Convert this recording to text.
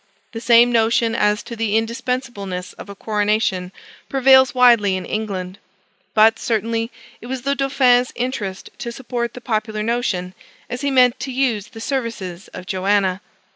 The same notion as to the indispensableness of a coronation prevails widely in England. But, certainly, it was the Dauphin's interest to support the popular notion, as he meant to use the services of Joanna.